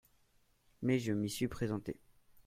Mais je m’y suis présenté.